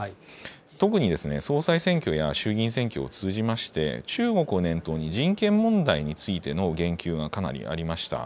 特に総裁選挙や衆議院選挙を通じまして、中国を念頭に人権問題についての言及がかなりありました。